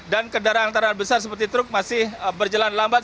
dan kendaraan antara besar seperti truk masih berjalan lambat